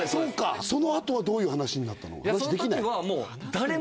その後はどういう話になったの？